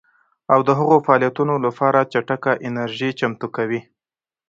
او د هغو فعالیتونو لپاره چټکه انرژي چمتو کوي